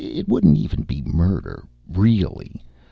It wouldn't even be murder, really.